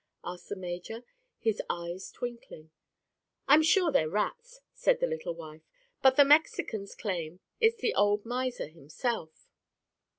asked the major, his eyes twinkling. "I'm sure they're rats," said the little wife, "but the Mexicans claim it's the old miser himself.